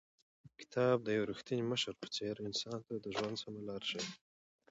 کتاب د یو رښتیني مشر په څېر انسان ته د ژوند سمه لار ښیي.